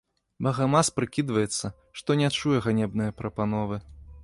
Багамаз прыкідваецца, што не чуе ганебнае прапановы.